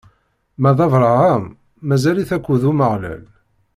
Ma d Abṛaham mazal-it akked Umeɣlal.